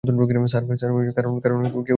Sir, কারন কেউ ফ্রী-তেও নিতে চায় না।